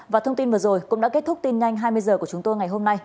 và thông tin vừa rồi cũng đã kết thúc tin nhanh hai mươi h của chúng tôi ngày hôm nay